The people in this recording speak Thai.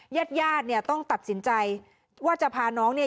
ญาติญาติเนี่ยต้องตัดสินใจว่าจะพาน้องเนี่ย